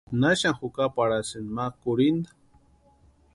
¿Naxani jukaparhaïni ma kurhinta?